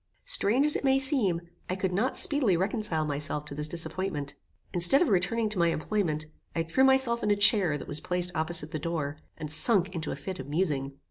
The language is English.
Strange as it may seem, I could not speedily reconcile myself to this disappointment. Instead of returning to my employment, I threw myself in a chair that was placed opposite the door, and sunk into a fit of musing.